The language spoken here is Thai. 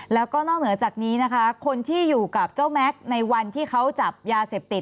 แล้วก็นอกเหนือจากนี้นะคะคนที่อยู่กับเจ้าแม็กซ์ในวันที่เขาจับยาเสพติด